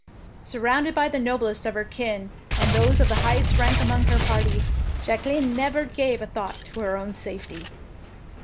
Surrounded by the noblest of her kin and those of the highest rank among her party, Jacqueline never gave a thought to her own safety.